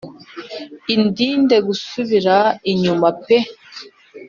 Indinde gusubira inyuma pe